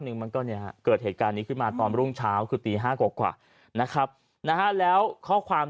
หนึ่งมันเขาเนี่ยเกิดเหตุการณ์นี้ขึ้นมาตอนรุ่งเช้าที่๕กว่านะคะแล้วข้อความ